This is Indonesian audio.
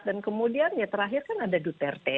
dan kemudian ya terakhir kan ada duterte